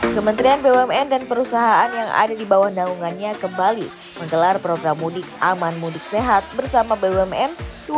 kementerian bumn dan perusahaan yang ada di bawah naungannya kembali menggelar program mudik aman mudik sehat bersama bumn dua ribu dua puluh dua